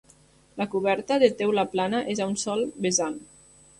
La coberta, de teula plana, és a un sol vessant.